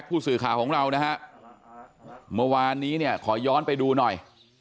ผู้สื่อข่าวของเรานะฮะเมื่อวานนี้เนี่ยขอย้อนไปดูหน่อย